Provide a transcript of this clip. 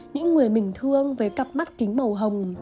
những người mình thương với cặp mắt kính màu hồng